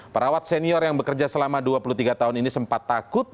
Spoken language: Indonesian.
perawat senior yang bekerja selama dua puluh tiga tahun ini sempat takut